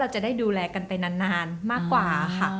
เราจะได้ดูแลกันไปนานมากกว่า